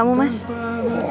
gak mau sama kamu mas